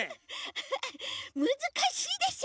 フフフむずかしいでしょ？